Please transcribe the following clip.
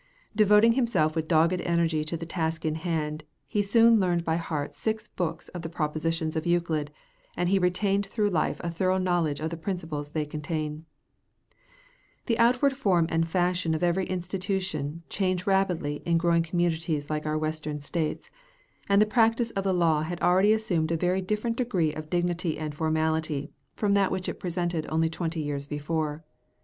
Devoting himself with dogged energy to the task in hand, he soon learned by heart six books of the propositions of Euclid, and he retained through life a thorough knowledge of the principles they contain. [Sidenote: I.N. Arnold in the "History of Sangamon County."] The outward form and fashion of every institution change rapidly in growing communities like our Western States, and the practice of the law had already assumed a very different degree of dignity and formality from that which it presented only twenty years before.